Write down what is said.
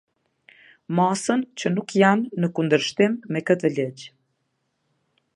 Masën që nuk janë në kundërshtim me këtë ligj.